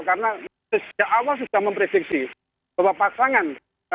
karena dari awal sudah memprediksi bahwa pasangan